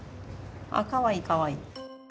かわいいかわいい。